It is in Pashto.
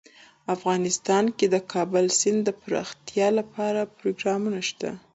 افغانستان کې د کابل سیند دپرمختیا لپاره پروګرامونه شته.